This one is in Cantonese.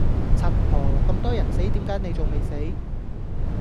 柒婆！咁多人死點解你仲未死